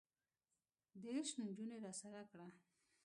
دېرش نجونې راسره کړه.